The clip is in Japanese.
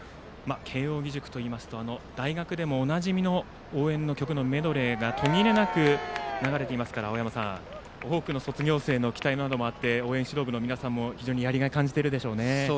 慶応義塾といいますと大学でもおなじみの応援の曲のメドレーが途切れなく流れていますから多くの卒業生の期待などもあって応援指導部の皆さんも非常にやりがいを感じているでしょうね。